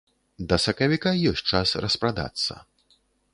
Да сакавіка ёсць час распрадацца.